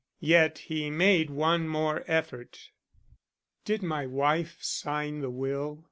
Yet he made one more effort. "Did my wife sign the will?"